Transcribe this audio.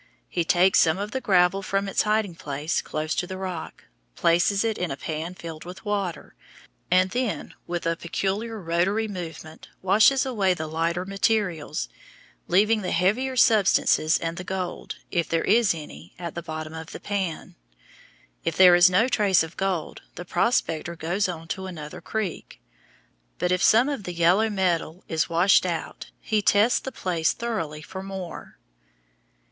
He takes some of the gravel from its hiding place close to the rock, places it in a pan filled with water, and then, with a peculiar rotary movement, washes away the lighter materials, leaving the heavier substances and the gold, if there is any, at the bottom of the pan. If there is no trace of gold, the prospector goes on to another creek; but if some of the yellow metal is washed out, he tests the place thoroughly for more.